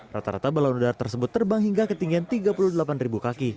rata rata balon udara tersebut terbang hingga ketinggian tiga puluh delapan kaki